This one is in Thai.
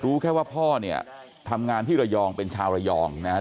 รู้แค่ว่าพ่อเนี่ยทำงานที่ระยองเป็นชาวระยองนะฮะ